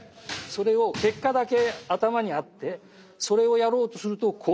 それを結果だけ頭にあってそれをやろうとするとこうなるかな。